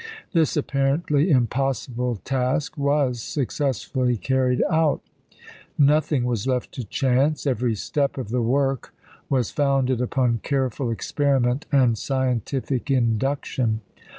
This apparently im possible task was successfully carried out ; nothing was left to chance; every step of the work was founded upon careful experiment and scientific induction.